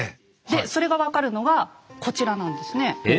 でそれが分かるのがこちらなんですね。